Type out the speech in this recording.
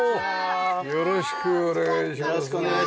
よろしくお願いします。